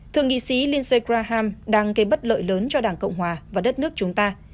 thượng nghị sĩ lindsey graham đang gây bất lợi lớn cho đảng cộng hòa và đất nước chúng ta